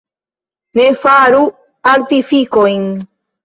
Ne faru artifikojn.